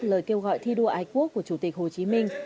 lời kêu gọi thi đua ái quốc của chủ tịch hồ chí minh